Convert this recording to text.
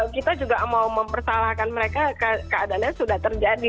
kita juga mau mempersalahkan mereka keadaannya sudah terjadi